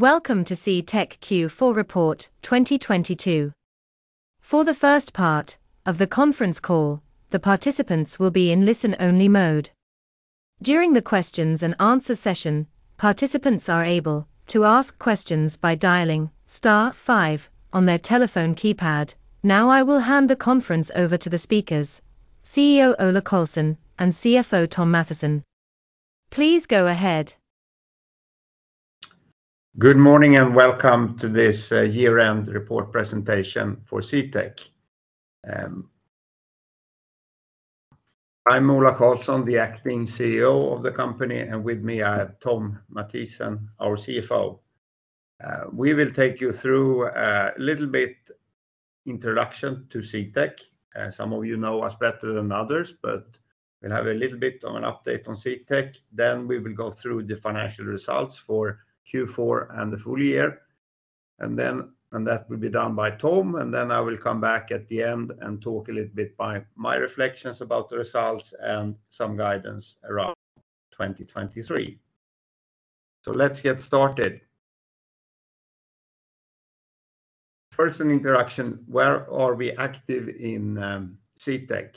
Welcome to CTEK Q4 report 2022. For the first part of the conference call, the participants will be in listen-only mode. During the questions and answer session, participants are able to ask questions by dialing star five on their telephone keypad. Now I will hand the conference over to the speakers, CEO Ola Carlsson and CFO Thom Mathisen. Please go ahead. Good morning, welcome to this year-end report presentation for CTEK. I'm Ola Carlsson, the acting CEO of the company, and with me I have Thom Mathisen, our CFO. We will take you through a little bit introduction to CTEK. Some of you know us better than others, but we'll have a little bit of an update on CTEK, then we will go through the financial results for Q4 and the full year. And that will be done by Thom, and then I will come back at the end and talk a little bit by my reflections about the results and some guidance around 2023. Let's get started. First an introduction, where are we active in CTEK?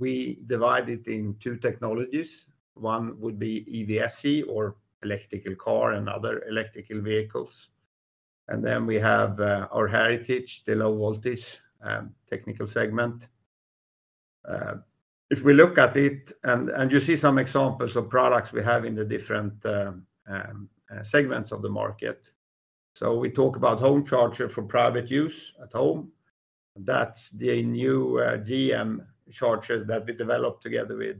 We divide it in two technologies. One would be EVSE or electrical car and other electrical vehicles. We have our heritage, the low voltage, technical segment. If we look at it and you see some examples of products we have in the different segments of the market. We talk about home charger for private use at home. That's the new GM chargers that we developed together with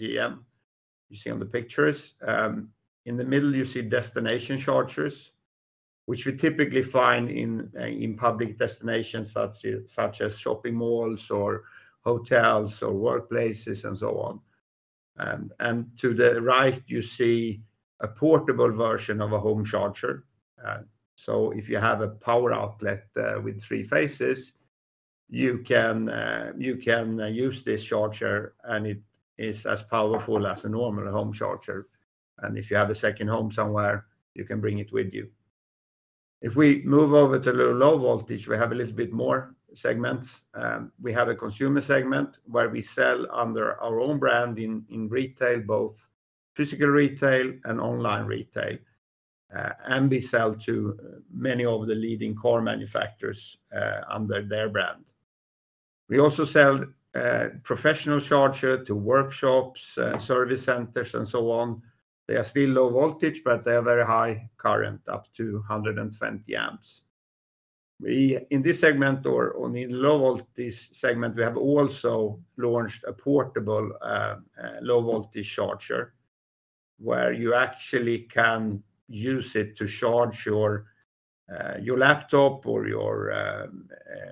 GM. You see on the pictures, in the middle you see destination chargers, which we typically find in public destinations such as shopping malls or hotels or workplaces and so on. To the right you see a portable version of a home charger. If you have a power outlet with three phases, you can use this charger, and it is as powerful as a normal home charger. If you have a second home somewhere, you can bring it with you. If we move over to low voltage, we have a little bit more segments. We have a consumer segment where we sell under our own brand in retail, both physical retail and online retail. We sell to many of the leading car manufacturers under their brand. We also sell professional charger to workshops, service centers and so on. They are still low voltage, they are very high current, up to 120 amps. In this segment or in low voltage segment, we have also launched a portable low voltage charger, where you actually can use it to charge your laptop or your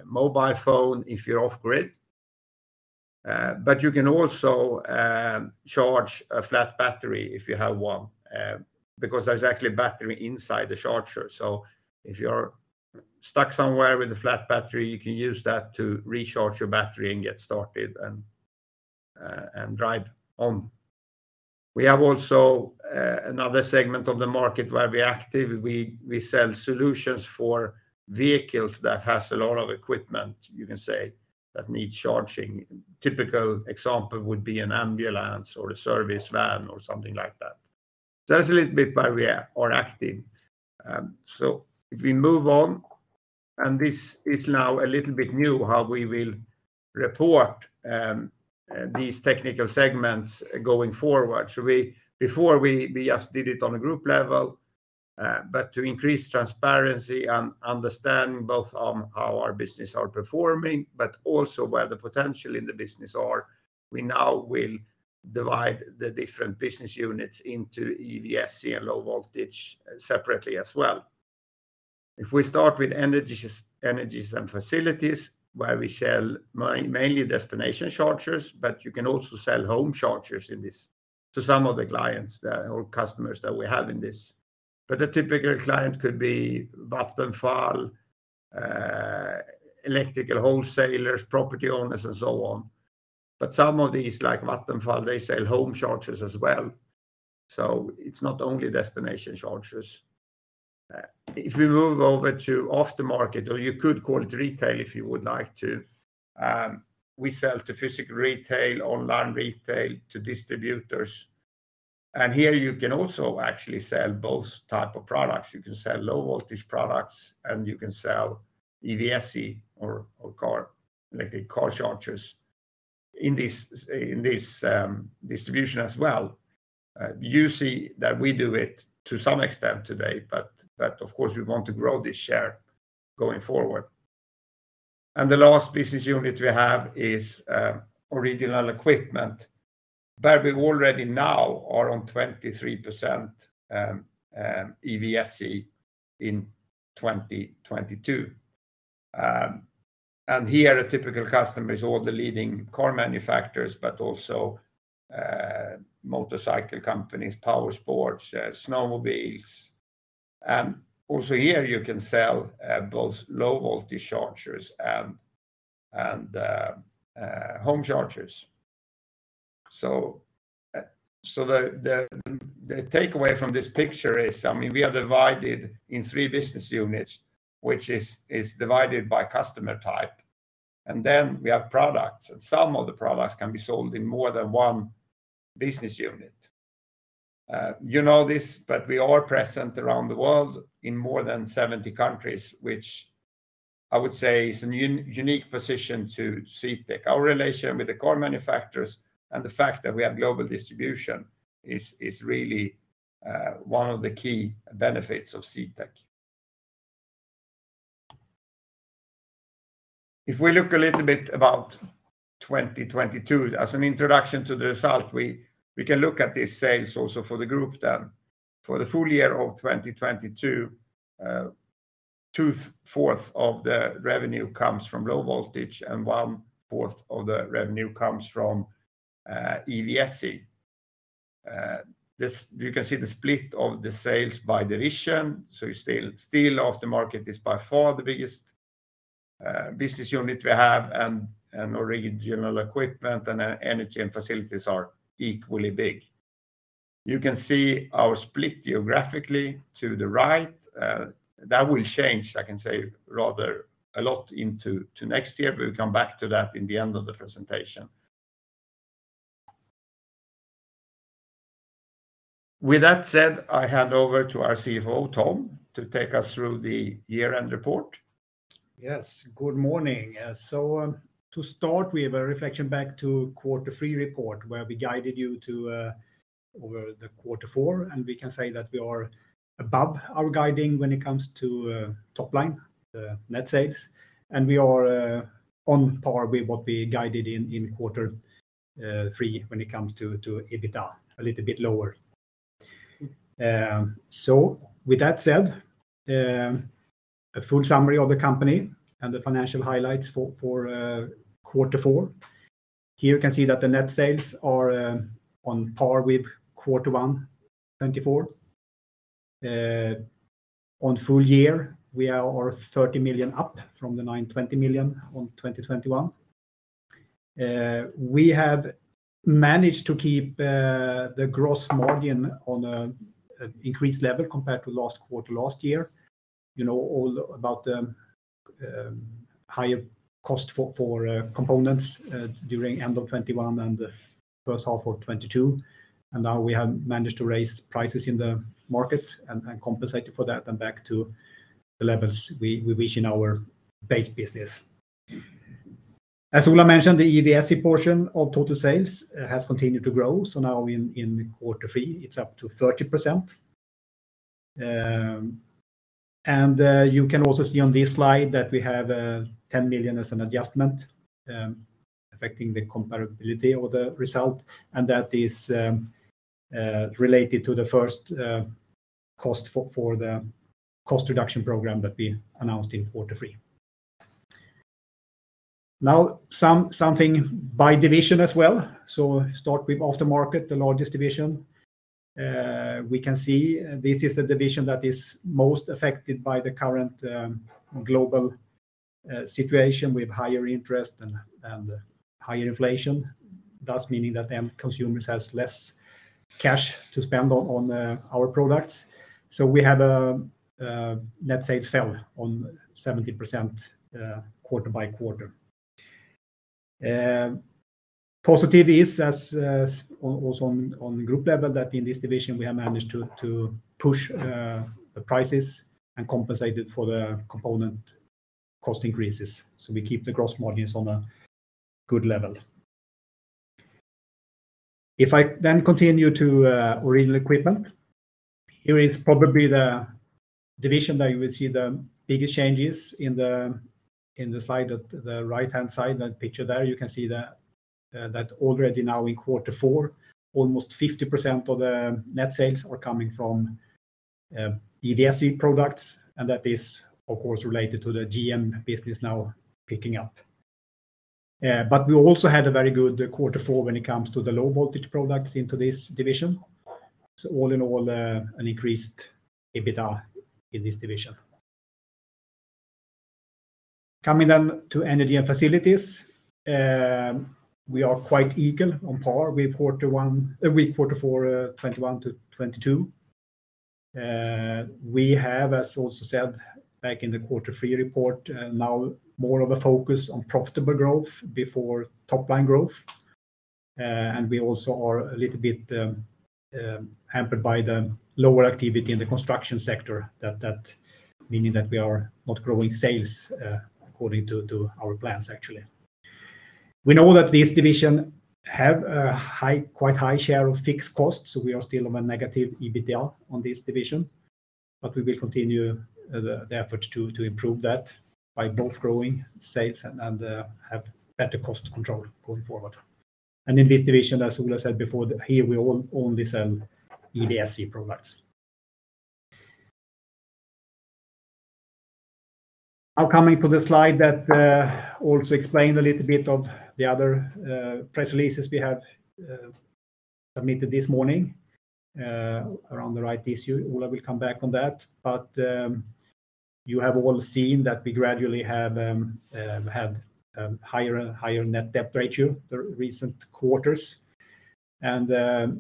mobile phone if you're off grid. You can also charge a flat battery if you have one, because there's actually battery inside the charger. If you're stuck somewhere with a flat battery, you can use that to recharge your battery and get started and drive on. We have also another segment of the market where we are active. We sell solutions for vehicles that has a lot of equipment, you can say, that need charging. Typical example would be an ambulance or a service van or something like that. That's a little bit where we are active. If we move on, and this is now a little bit new, how we will report these technical segments going forward. Before we just did it on a group level, but to increase transparency and understand both, how our business are performing, but also where the potential in the business are, we now will divide the different business units into EVSE and low voltage separately as well. If we start with Energy & Facilities, where we sell mainly destination chargers, but you can also sell home chargers in this to some of the clients that or customers that we have in this. A typical client could be Vattenfall, electrical wholesalers, property owners and so on. Some of these, like Vattenfall, they sell home chargers as well, so it's not only destination chargers. If we move over to Aftermarket or you could call it retail if you would like to, we sell to physical retail, online retail, to distributors. Here you can also actually sell both type of products. You can sell low voltage products and you can sell EVSE or car, electric car chargers in this distribution as well. You see that we do it to some extent today, but of course we want to grow this share going forward. The last business unit we have is Original Equipment, where we already now are on 23% EVSE in 2022. Here a typical customer is all the leading car manufacturers, but also motorcycle companies, powersports, snowmobiles. Also here you can sell both low voltage chargers and home chargers. The takeaway from this picture is, I mean, we are divided in three business units, which is divided by customer type, and then we have products, and some of the products can be sold in more than one business unit. You know this, but we are present around the world in more than 70 countries, which I would say is a unique position to CTEK. Our relation with the core manufacturers and the fact that we have global distribution is really one of the key benefits of CTEK. If we look a little bit about 2022 as an introduction to the result, we can look at these sales also for the group then. For the full year of 2022, 2/4 of the revenue comes from low voltage, and 1/4 of the revenue comes from EVSE. This, you can see the split of the sales by division. You still Aftermarket is by far the biggest business unit we have, and Original Equipment and Energy & Facilities are equally big. You can see our split geographically to the right. That will change, I can say, rather a lot into next year. We'll come back to that in the end of the presentation. With that said, I hand over to our CFO, Thom, to take us through the year-end report. Yes, good morning. To start, we have a reflection back to quarter three report, where we guided you over the quarter four, and we can say that we are above our guiding when it comes to top line net sales. We are on par with what we guided in quarter three when it comes to EBITDA, a little bit lower. With that said, a full summary of the company and the financial highlights for quarter four. Here you can see that the net sales are on par with quarter one 2024. On full year, we are 30 million up from the 920 million on 2021. We have managed to keep the gross margin on a increased level compared to last quarter last year. You know, all about the higher cost for components during end of 2021 and the H1 of 2022. Now we have managed to raise prices in the markets and compensate for that and back to the levels we wish in our base business. As Ola mentioned, the EVSE portion of total sales has continued to grow. Now in quarter three, it's up to 30%. You can also see on this slide that we have 10 million as an adjustment affecting the comparability of the result, and that is related to the first cost for the cost reduction program that we announced in quarter three. Something by division as well. Start with Aftermarket, the largest division. We can see this is the division that is most affected by the current global situation with higher interest and higher inflation, thus meaning that end consumers has less cash to spend on our products. We have a, let's say, sell on 70%, quarter by quarter. Positive is as also on group level that in this division we have managed to push the prices and compensate it for the component cost increases. We keep the gross margins on a good level. I then continue to Original Equipment, here is probably the division that you will see the biggest changes in the, in the side of the right-hand side, that picture there, you can see that already now in quarter four, almost 50% of the net sales are coming from EVSE products, and that is of course related to the GM business now picking up. We also had a very good quarter four when it comes to the low-voltage products into this division. All in all, an increased EBITDA in this division. Coming to Energy & Facilities, we are quite equal on par with quarter four, 2021 to 2022. We have, as also said back in the quarter three report, now more of a focus on profitable growth before top-line growth. We also are a little bit hampered by the lower activity in the construction sector that meaning that we are not growing sales according to our plans, actually. We know that this division have a high, quite high share of fixed costs, so we are still on a negative EBITDA on this division, but we will continue the effort to improve that by both growing sales and have better cost control going forward. In this division, as Ola said before, here we only sell EVSE products. Now coming to the slide that also explained a little bit of the other press releases we had submitted this morning around the rights issue. Ola will come back on that. you have all seen that we gradually have higher and higher net debt ratio the recent quarters. the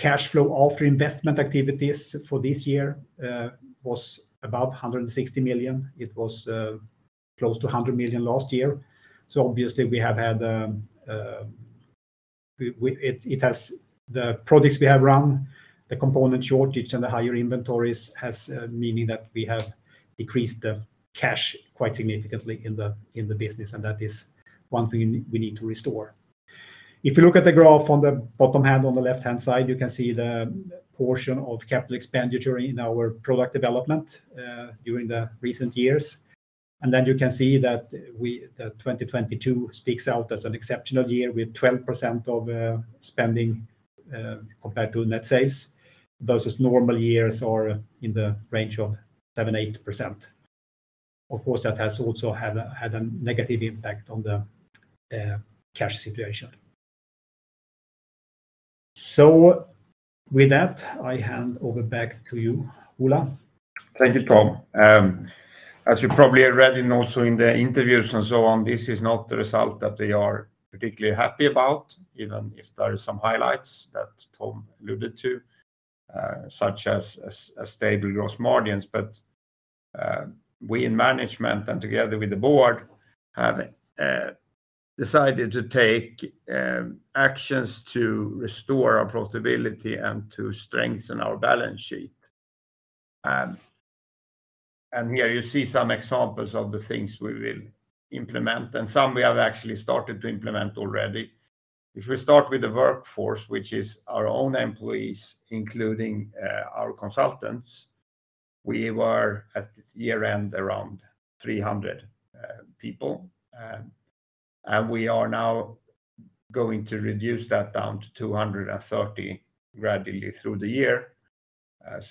cash flow after investment activities for this year was about 160 million. It was close to 100 million last year. obviously, The projects we have run, the component shortage, and the higher inventories has meaning that we have decreased the cash quite significantly in the business, and that is one thing we need to restore. If you look at the graph on the bottom half on the left-hand side, you can see the portion of capital expenditure in our product development during the recent years. You can see that 2022 speaks out as an exceptional year with 12% of spending compared to net sales. Those as normal years are in the range of 7-8%. Of course, that has also had a negative impact on the cash situation. With that, I hand over back to you, Ola. Thank you, Thom. As you probably have read and also in the interviews and so on, this is not the result that they are particularly happy about, even if there are some highlights that Thom alluded to, such as a stable gross margins. We in management and together with the board have decided to take actions to restore our profitability and to strengthen our balance sheet. Here you see some examples of the things we will implement, and some we have actually started to implement already. If we start with the workforce, which is our own employees, including our consultants, we were at year-end around 300 people. We are now going to reduce that down to 230 gradually through the year.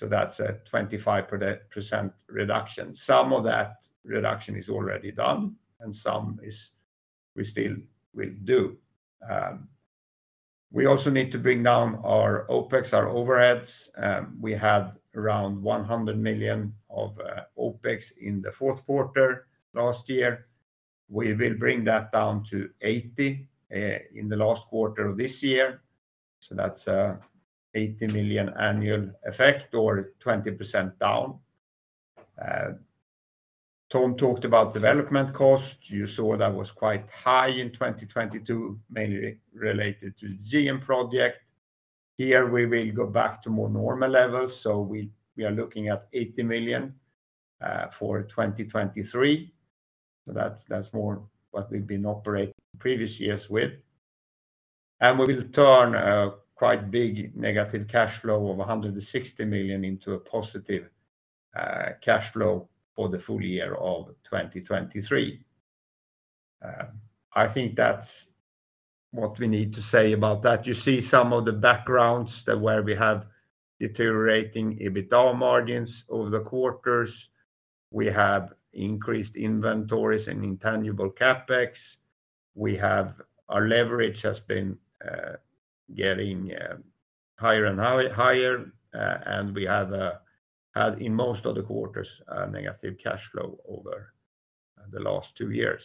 That's a 25% reduction. Some of that reduction is already done and some is we still will do. We also need to bring down our OpEx, our overheads. We had around 100 million of OpEx in the Q4 last year. We will bring that down to 80 million in the last quarter of this year. That's 80 million annual effect or 20% down. Thom talked about development costs. You saw that was quite high in 2022, mainly related to GM project. Here we will go back to more normal levels. We are looking at 80 million for 2023. That's more what we've been operating previous years with. We will turn a quite big negative cash flow of 160 million into a positive cash flow for the full year of 2023. I think that's what we need to say about that. You see some of the backgrounds that where we have deteriorating EBITDA margins over the quarters. We have increased inventories and intangible CapEx. Our leverage has been getting higher and higher. We have had in most of the quarters a negative cash flow over the last two years.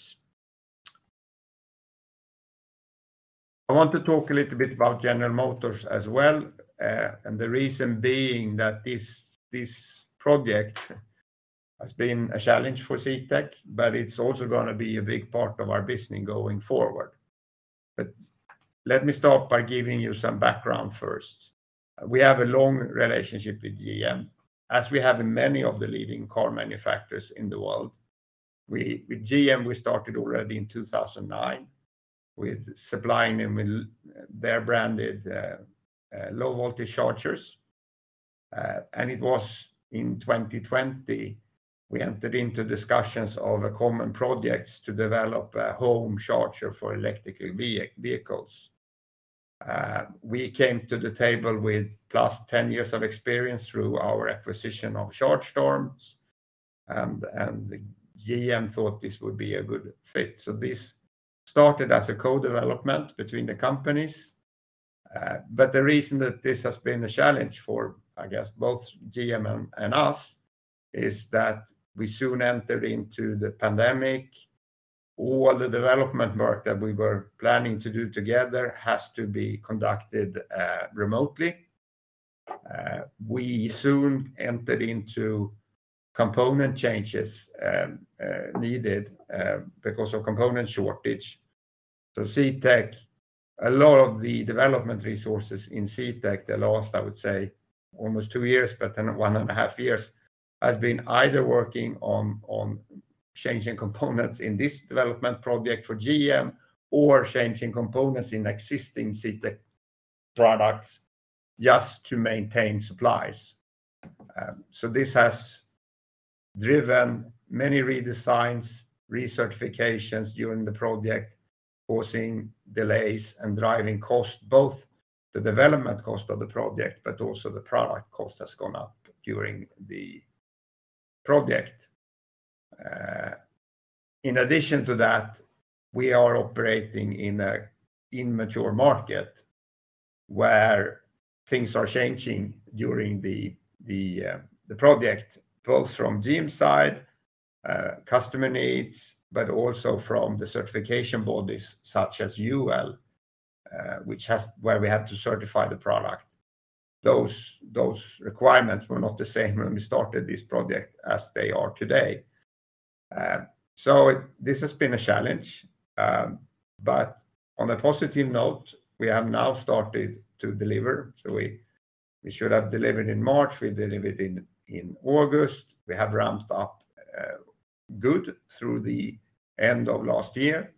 I want to talk a little bit about General Motors as well. The reason being that this project has been a challenge for CTEK, but it's also gonna be a big part of our business going forward. Let me start by giving you some background first. We have a long relationship with GM, as we have in many of the leading car manufacturers in the world. With GM, we started already in 2009 with supplying them with their branded low-voltage chargers. It was in 2020 we entered into discussions of a common project to develop a home charger for electric vehicles. We came to the table with +10 years of experience through our acquisition of Chargestorm, and GM thought this would be a good fit. This started as a co-development between the companies. The reason that this has been a challenge for, I guess, both GM and us, is that we soon entered into the pandemic. All the development work that we were planning to do together has to be conducted remotely. We soon entered into component changes needed because of component shortage. CTEK, a lot of the development resources in CTEK, the last, I would say, almost two years, 1.5 years, has been either working on changing components in this development project for GM or changing components in existing CTEK products just to maintain supplies. This has driven many redesigns, recertifications during the project, causing delays and driving costs, both the development cost of the project, but also the product cost has gone up during the project. In addition to that, we are operating in a immature market where things are changing during the project, both from GM side, customer needs, but also from the certification bodies such as UL, where we have to certify the product. Those requirements were not the same when we started this project as they are today. This has been a challenge. On a positive note, we have now started to deliver. We should have delivered in March, we delivered in August. We have ramped up good through the end of last year.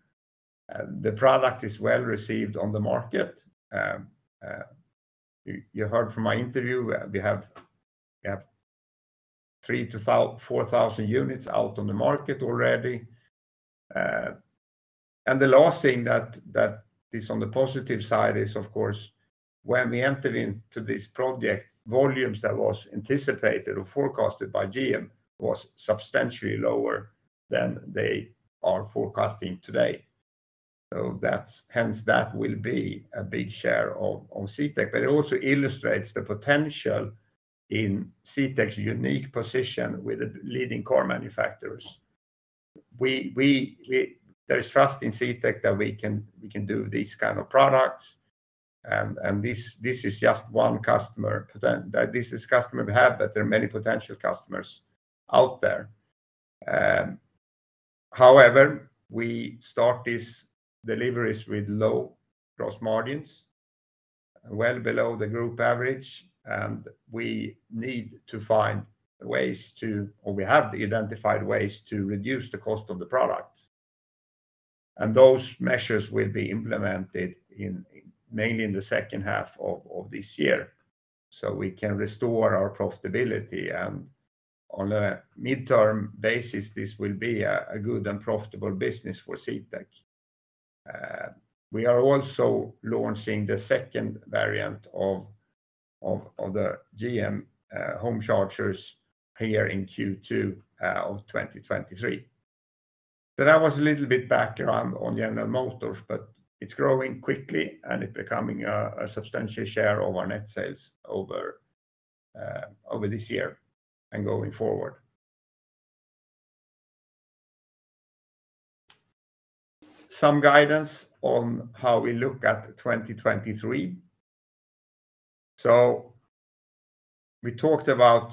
The product is well received on the market. You heard from my interview, we have 3,000-4,000 units out on the market already. The last thing that is on the positive side is, of course, when we entered into this project, volumes that was anticipated or forecasted by GM was substantially lower than they are forecasting today. Hence, that will be a big share of CTEK. It also illustrates the potential in CTEK's unique position with the leading core manufacturers. There's trust in CTEK that we can do these kind of products, and this is just one customer. This is customer we have, but there are many potential customers out there. However, we start these deliveries with low gross margins, well below the group average, and we have identified ways to reduce the cost of the product. Those measures will be implemented in, mainly in the second half of this year, so we can restore our profitability. On a midterm basis, this will be a good and profitable business for CTEK. We are also launching the second variant of the GM home chargers here in Q2 of 2023. That was a little bit background on General Motors, but it's growing quickly, and it becoming a substantial share of our net sales over this year and going forward. Some guidance on how we look at 2023. We talked about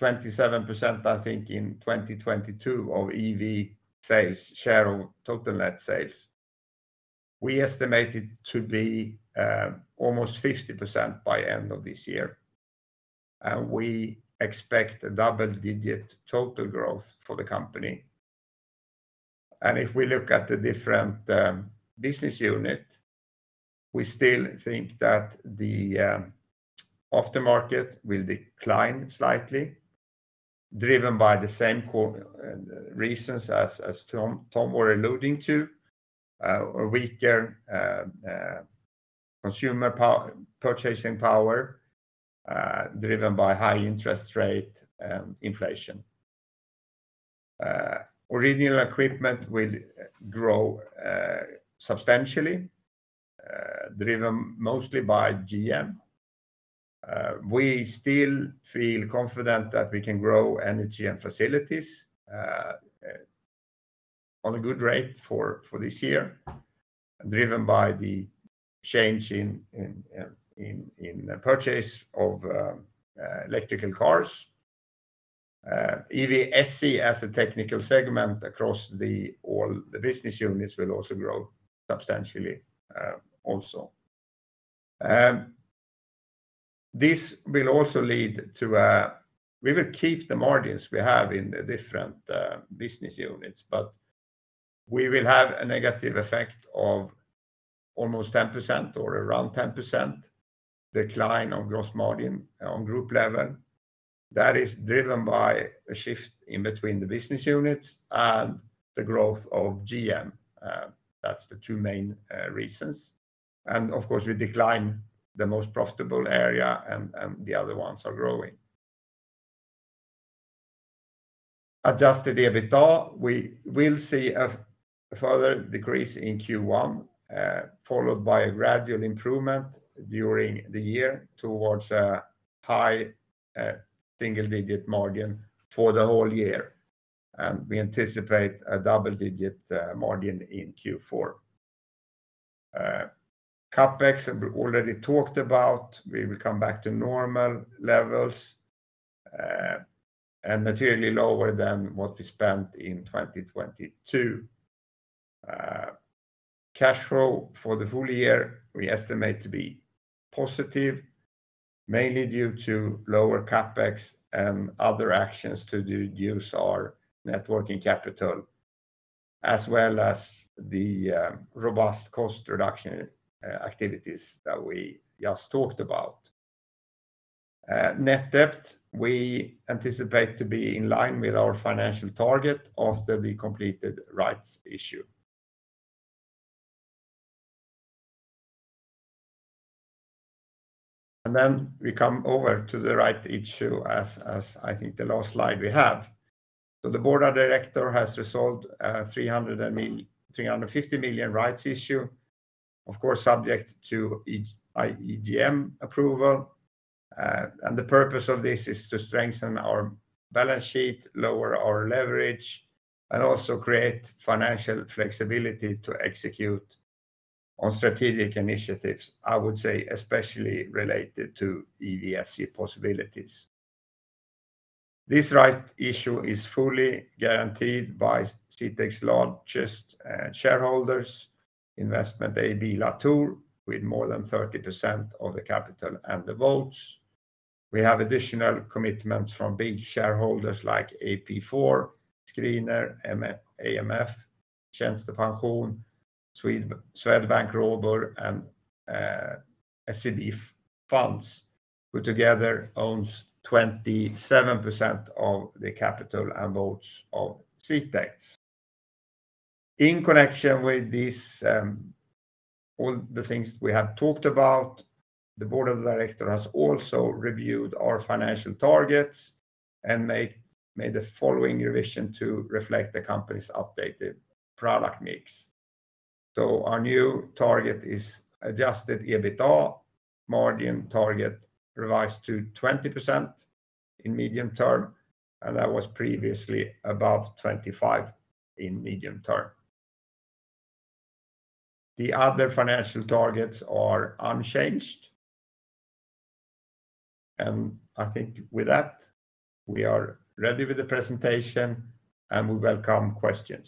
27%, I think, in 2022 of EV sales share of total net sales. We estimate it to be almost 50% by end of this year, and we expect a double-digit total growth for the company. If we look at the different business unit, we still think that the Aftermarket will decline slightly, driven by the same core reasons as Thom were alluding to, a weaker consumer purchasing power, driven by high interest rate and inflation. Original Equipment will grow substantially, driven mostly by GM. We still feel confident that we can grow Energy & Facilities on a good rate for this year, driven by the change in purchase of electrical cars. EVSE as a technical segment across all the business units will also grow substantially also. This will also lead to We will keep the margins we have in the different business units, but we will have a negative effect of almost 10% or around 10% decline of gross margin on group level. That is driven by a shift in between the business units and the growth of GM. That's the two main reasons. Of course, we decline the most profitable area and the other ones are growing. Adjusted EBITDA, we will see a further decrease in Q1, followed by a gradual improvement during the year towards a high, single-digit margin for the whole year. We anticipate a double-digit margin in Q4. CapEx, we already talked about. We will come back to normal levels, materially lower than what we spent in 2022. Cash flow for the full year, we estimate to be positive, mainly due to lower CapEx and other actions to reduce our net working capital, as well as the robust cost reduction activities that we just talked about. Net debt, we anticipate to be in line with our financial target after the completed rights issue. We come over to the rights issue as I think the last slide we have. The board of director has resolved 350 million rights issue. Of course, subject to EGM approval. The purpose of this is to strengthen our balance sheet, lower our leverage, and also create financial flexibility to execute on strategic initiatives, I would say especially related to EVSE possibilities. This rights issue is fully guaranteed by CTEK's largest shareholders, Investment AB Latour, with more than 30% of the capital and the votes. We have additional commitments from big shareholders like AP4, Skirner, AMF Tjänstepension, Swedbank Robur, and SEB Funds, who together owns 27% of the capital and votes of CTEK. In connection with this, all the things we have talked about, the board of director has also reviewed our financial targets and made the following revision to reflect the company's updated product mix. Our new target is adjusted EBITDA margin target revised to 20% in medium term, and that was previously about 25% in medium term. The other financial targets are unchanged. I think with that, we are ready with the presentation, and we welcome questions.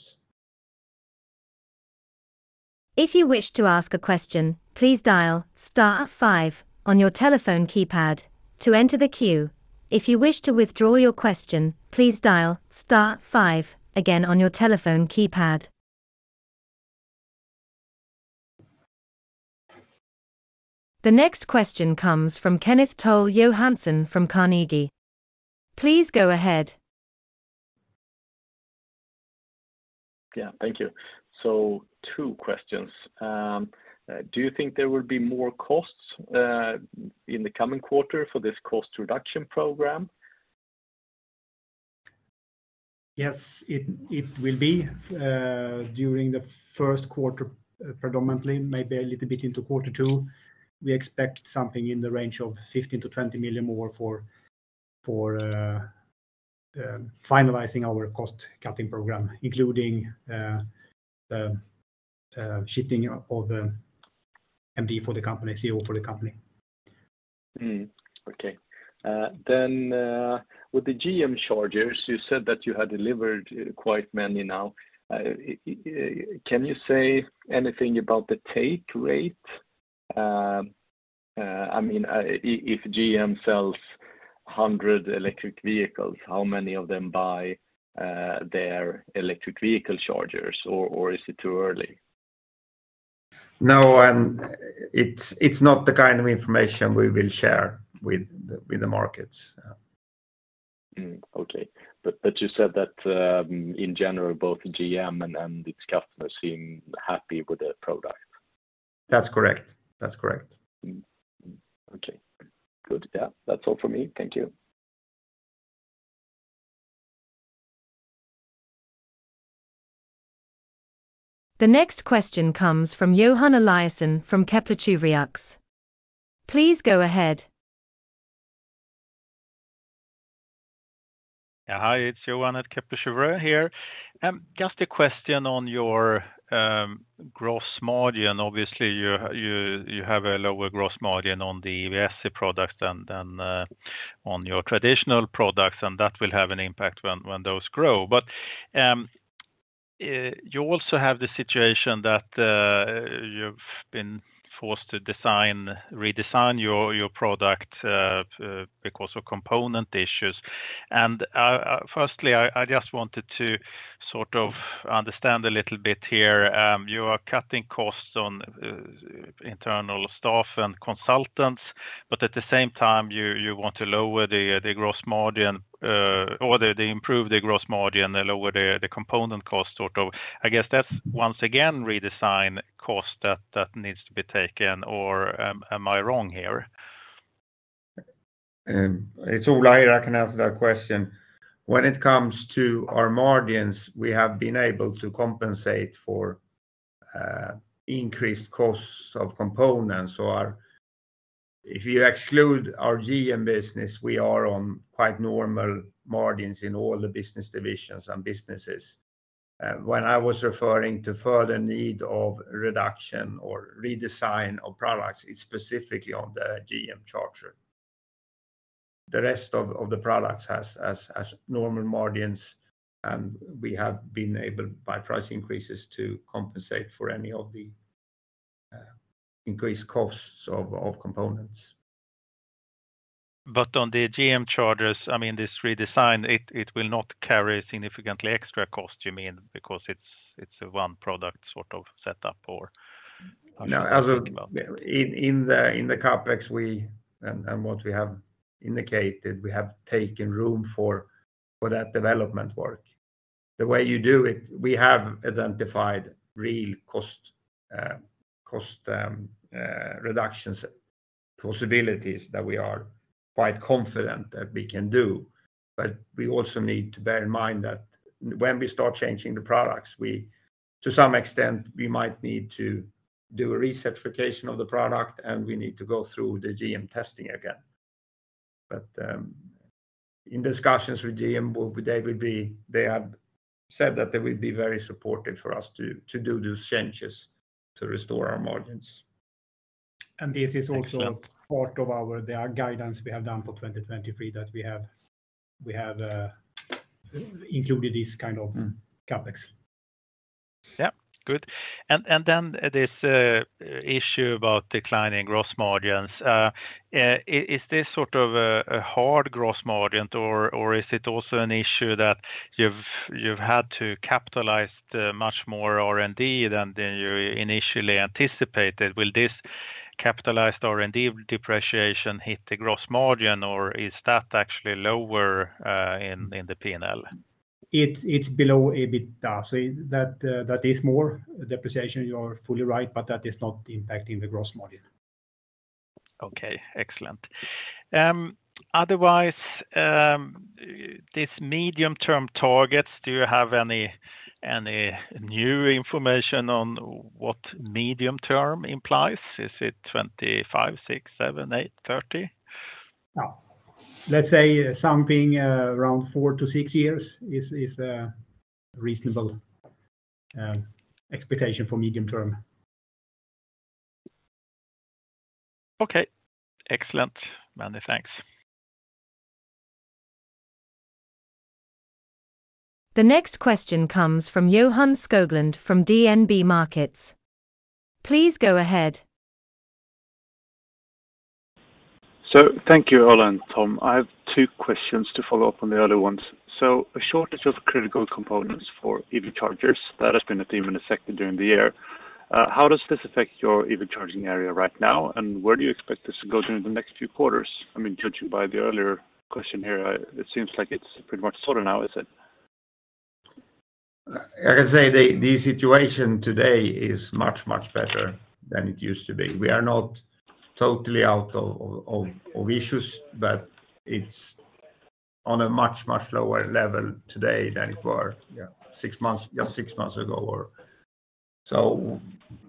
If you wish to ask a question, please dial star five on your telephone keypad to enter the queue. If you wish to withdraw your question, please dial star five again on your telephone keypad. The next question comes from Kenneth Toll Johansson from Carnegie. Please go ahead. Yeah. Thank you. Two questions. Do you think there will be more costs in the coming quarter for this cost reduction program? Yes. It will be during the first quarter, predominantly, maybe a little bit into quarter two. We expect something in the range of 15 million-20 million more for finalizing our cost-cutting program, including the shifting of the MD for the company, CEO for the company. Okay. With the GM chargers, you said that you had delivered quite many now. Can you say anything about the take rate? I mean, if GM sells 100 electric vehicles, how many of them buy their electric vehicle chargers or is it too early? No. It's not the kind of information we will share with the markets. Okay. you said that, in general, both GM and its customers seem happy with the product. That's correct. That's correct. Mm-hmm. Okay. Good. Yeah. That's all for me. Thank you. The next question comes from Johan Eliason from Kepler Cheuvreux. Please go ahead. Yeah. Hi, it's Johan at Kepler Cheuvreux here. Just a question on your gross margin. Obviously, you have a lower gross margin on the EVSE products than on your traditional products, and that will have an impact when those grow. You also have the situation that you've been forced to design, redesign your product because of component issues. Firstly, I just wanted to sort of understand a little bit here. You are cutting costs on internal staff and consultants, but at the same time, you want to lower the gross margin, or improve the gross margin and lower the component cost sort of. I guess that's once again redesign cost that needs to be taken, or am I wrong here? It's Ola here. I can answer that question. When it comes to our margins, we have been able to compensate for increased costs of components. If you exclude our GM business, we are on quite normal margins in all the business divisions and businesses. When I was referring to further need of reduction or redesign of products, it's specifically on the GM charger. The rest of the products has normal margins, and we have been able, by price increases, to compensate for any of the increased costs of components. On the GM chargers, I mean, this redesign, it will not carry significantly extra cost, you mean, because it's a one product sort of setup or how are you thinking about it? No. As in the CapEx, and what we have indicated, we have taken room for that development work. The way you do it, we have identified real cost, reductions possibilities that we are quite confident that we can do. We also need to bear in mind that when we start changing the products, we to some extent, we might need to do a recertification of the product, and we need to go through the GM testing again. In discussions with GM, they have said that they will be very supportive for us to do those changes to restore our margins. This is also part of the guidance we have done for 2023 that we have included this kind of CapEx. Good. Then this issue about declining gross margins. Is this sort of a hard gross margin or is it also an issue that you've had to capitalize the much more R&D than you initially anticipated? Will this capitalized R&D depreciation hit the gross margin, or is that actually lower in the P&L? It's below EBITDA. That is more depreciation, you're fully right, but that is not impacting the gross margin. Okay, excellent. Otherwise, this medium-term targets, do you have any new information on what medium term implies? Is it 2025, 2026, 2027, 2028, 2030? No. Let's say something, around four to six years is a reasonable expectation for medium term. Okay, excellent. Many thanks. The next question comes from Johan Skoglund from DNB Markets. Please go ahead. Thank you, Ola and Thom. I have two questions to follow up on the earlier ones. A shortage of critical components for EV chargers, that has been a theme in the sector during the year. How does this affect your EV charging area right now? Where do you expect this to go during the next few quarters? I mean, judging by the earlier question here, it seems like it's pretty much sorted now, is it? I can say the situation today is much, much better than it used to be. We are not totally out of issues, but it's on a much, much lower level today than it were, six months, just six months ago.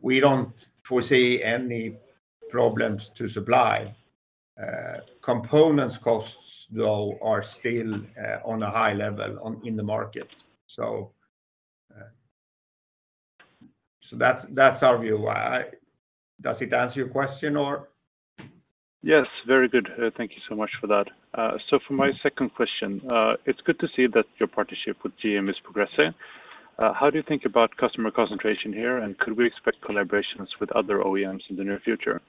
We don't foresee any problems to supply. Components costs, though, are still on a high level in the market. That's our view. Does it answer your question, or? Yes, very good. Thank you so much for that. For my second question, it's good to see that your partnership with GM is progressing. How do you think about customer concentration here, and could we expect collaborations with other OEMs in the near future?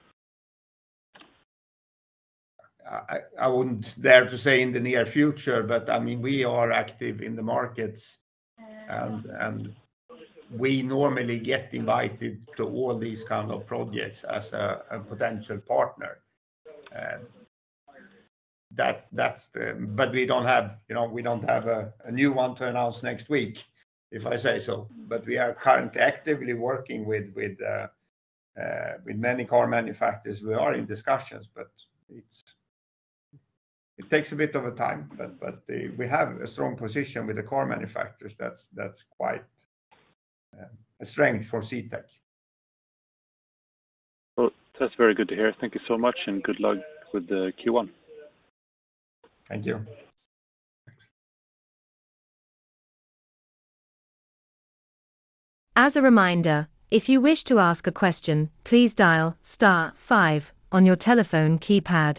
I wouldn't dare to say in the near future, but I mean, we are active in the markets and we normally get invited to all these kind of projects as a potential partner. We don't have, you know, we don't have a new one to announce next week, if I say so. We are currently actively working with many car manufacturers. We are in discussions, but it takes a bit of a time. We have a strong position with the car manufacturers. That's quite a strength for CTEK. Well, that's very good to hear. Thank you so much, and good luck with the Q1. Thank you. As a reminder, if you wish to ask a question, please dial star five on your telephone keypad.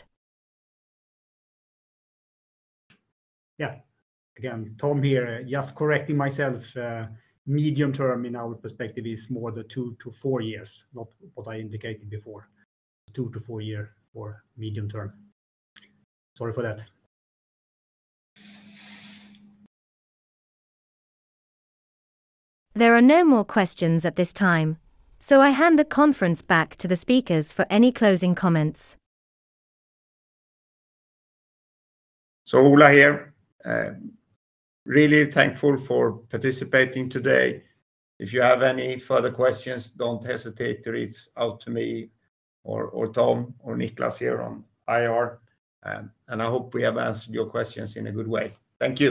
Yeah. Again, Thom here, just correcting myself. medium term in our perspective is more the two-four years, not what I indicated before. two-four year for medium term. Sorry for that. There are no more questions at this time. I hand the conference back to the speakers for any closing comments. Ola here. Really thankful for participating today. If you have any further questions, don't hesitate to reach out to me or Thom or Niklas here on IR. I hope we have answered your questions in a good way. Thank you.